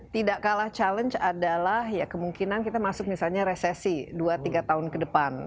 tidak kalah challenge adalah ya kemungkinan kita masuk misalnya resesi dua tiga tahun ke depan